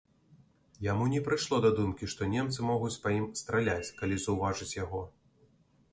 Яму не прыйшло да думкі, што немцы могуць па ім страляць, калі заўважаць яго.